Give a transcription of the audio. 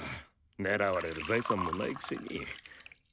狙われる財産もないくせに。